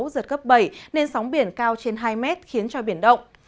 giật cấp bảy nên sóng biển cao trên hai mét khiến cho biển động